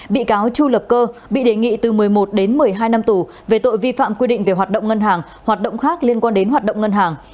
bị cáo chu lập cơ bị đề nghị từ một mươi một đến một mươi hai năm tù về tội vi phạm quy định về hoạt động ngân hàng hoạt động khác liên quan đến hoạt động ngân hàng